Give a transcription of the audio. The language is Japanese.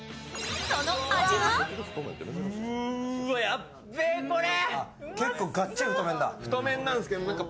やっべえ、これ。